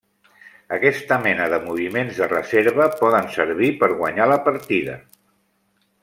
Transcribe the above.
Aquesta mena de moviments de reserva poden servir per guanyar la partida.